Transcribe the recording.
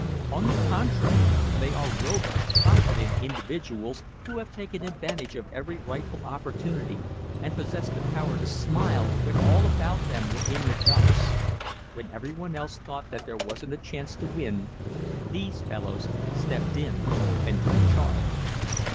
On the contrary, they are robust, confident individuals who have taken advantage of every rightful opportunity and possessed the power to smile when all about them were in the dumps. When everyone else thought that there wasn't a chance to win these fellows stepped in and took charge.